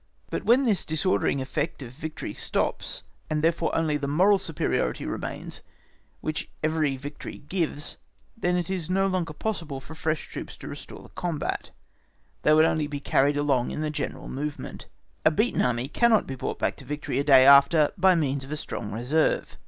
But when this disordering effect of victory stops, and therefore only the moral superiority remains which every victory gives, then it is no longer possible for fresh troops to restore the combat, they would only be carried along in the general movement; a beaten Army cannot be brought back to victory a day after by means of a strong reserve.